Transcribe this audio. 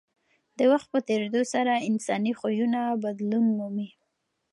د وخت په تېرېدو سره انساني خویونه بدلون مومي.